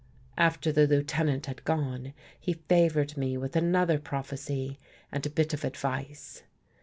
After the Lieutenant had gone, he favored me with another prophecy and a bit of advice.